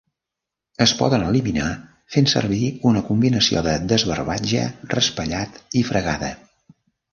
Es poden eliminar fent servir una combinació de desbarbatge, raspallat i fregada.